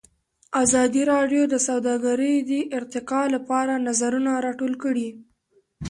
ازادي راډیو د سوداګري د ارتقا لپاره نظرونه راټول کړي.